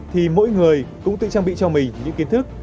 thì mỗi người cũng tự trang bị cho mình những kiến thức